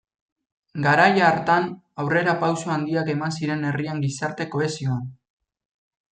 Garaia hartan aurrerapauso handiak eman ziren herrian gizarte-kohesioan.